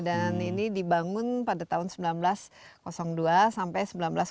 dan ini dibangun pada tahun seribu sembilan ratus dua sampai seribu sembilan ratus tiga